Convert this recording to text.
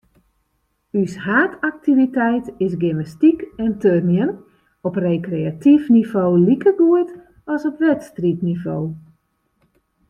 Us haadaktiviteit is gymnastyk en turnjen, op rekreatyf nivo likegoed as op wedstriidnivo.